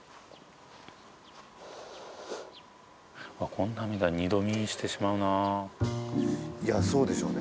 こんなん見たら二度見してしまうないやそうでしょうね